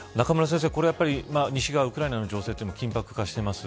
中村先生、西側ウクライナの情勢も緊迫化しています。